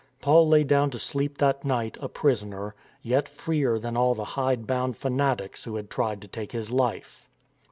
Paul lay down to sleep that night, a prisoner, yet freer than all the hide bound fanatics who had tried to take his life.